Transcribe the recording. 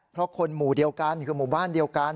เพราะคนหมู่เดียวกันคือหมู่บ้านเดียวกัน